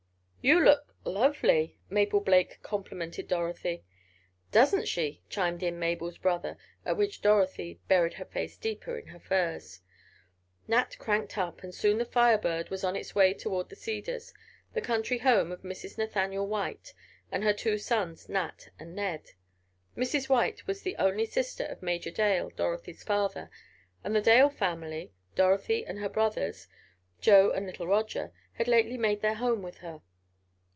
"You look—lovely," Mabel Blake complimented Dorothy. "Doesn't she?" chimed in Mabel's brother, at which Dorothy buried her face deeper in her furs. Nat cranked up; and soon the Fire Bird was on its way toward the Cedars, the country home of Mrs. Nathaniel White, and her two sons, Nat and Ned. Mrs. White was the only sister of Major Dale, Dorothy's father, and the Dale family, Dorothy and her brothers, Joe and little Roger, had lately made their home with her.